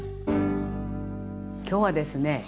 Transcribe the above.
今日はですね